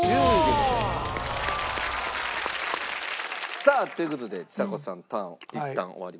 おお！さあという事でちさ子さんのターンいったん終わりました。